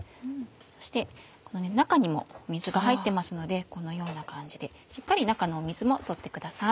そしてこの中にも水が入ってますのでこのような感じでしっかり中の水も取ってください。